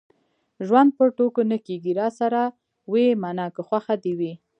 ژوند په ټوکو نه کېږي. راسره ويې منه که خوښه دې وي.